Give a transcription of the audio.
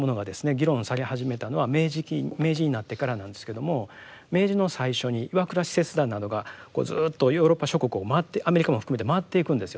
議論され始めたのは明治期明治になってからなんですけれども明治の最初に岩倉使節団などがこうずっとヨーロッパ諸国を回ってアメリカも含めて回っていくんですよね。